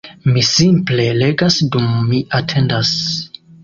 Mi simple legas dum mi atendas